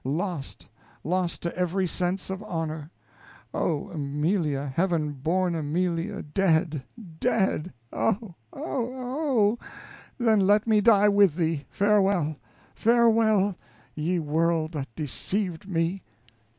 Lost, lost to every sense of honor! Oh! Amelia heaven born Amelia dead, dead! Oh! oh! oh! then let me die with thee. Farewell! farewell! ye world that deceived me!